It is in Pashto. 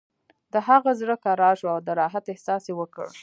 د هغه زړه کرار شو او د راحت احساس یې وکړ